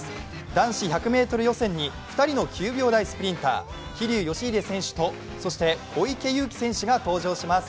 男子１００ｍ予選に、２人の９秒台スプリンター桐生祥秀選手と、そして小池祐貴選手が登場します。